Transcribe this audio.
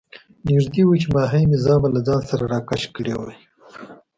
نږدې وو چې ماهي مې زامه له ځان سره راکش کړې وای.